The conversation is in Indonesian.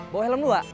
bawa helm lu gak